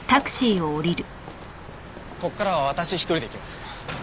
ここからは私一人で行きます。